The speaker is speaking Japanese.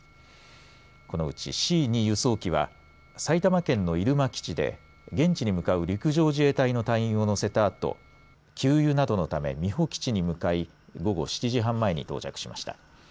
このうちＣ２輸送機は埼玉県の入間基地で現地に向かう陸上自衛隊の隊員を乗せたあと給油などのため美保基地に向かい午後７時半前に到着しました。